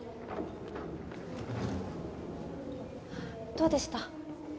どうでした？